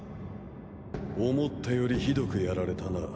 思ったよりひどくやられたな。